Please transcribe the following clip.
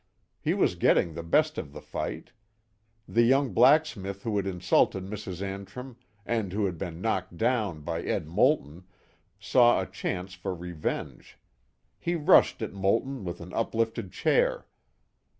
He was getting the best of the fight. The young blacksmith who had insulted Mrs. Antrim and who had been knocked down by Ed. Moulton, saw a chance for revenge. He rushed at Moulton with an uplifted chair.